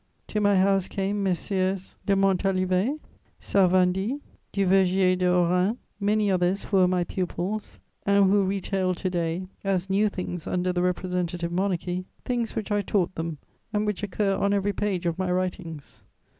To my house came Messieurs de Montalivet, Salvandy, Duvergier de Hauranne, many others who were my pupils and who retail to day, as new things under the Representative Monarchy, things which I taught them and which occur on every page of my writings.